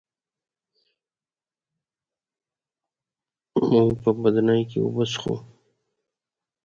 موږ په بدنۍ کي اوبه څښو.